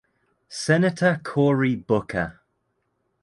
Senator Cory Booker.